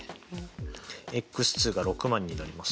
ｘが６０，０００になります。